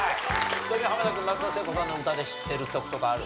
ちなみに濱田君松田聖子さんの歌で知ってる曲とかある？